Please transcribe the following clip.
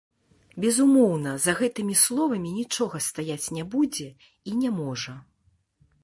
Безумоўна, за гэтымі словамі нічога стаяць не будзе і не можа.